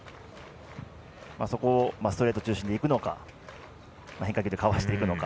そこをストレート中心でいくのか変化球でかわしていくのか。